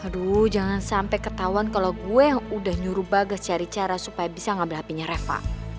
aduh jangan sampe ketauan kalo gue yang udah nyuruh bagas cari cara supaya bisa ngambil hapinya reva